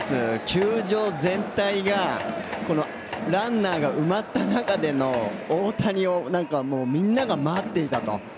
球場全体がランナーが埋まった中での大谷をみんなが待っていたと。